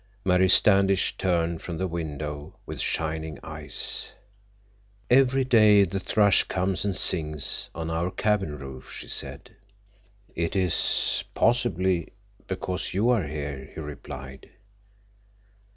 Mary Standish turned from the window with shining eyes. "Every day the thrush comes and sings on our cabin roof," she said. "It is—possibly—because you are here," he replied.